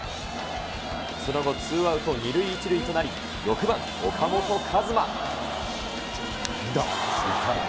その後、ツーアウト２塁１塁となり、６番岡本和真。